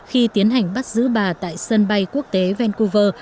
khi tiến hành bắt giữ bà tại sân bay quốc tế vancouver